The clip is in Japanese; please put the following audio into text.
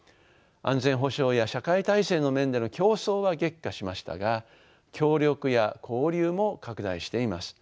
安全保障や社会体制の面での競争は激化しましたが協力や交流も拡大しています。